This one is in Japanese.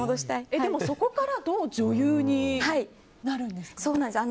でも、そこからどう女優になるんですか？